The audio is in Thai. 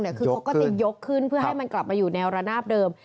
คือเขาก็จะยกขึ้นเพื่อให้มันกลับมาอยู่แนวระนาบเดิม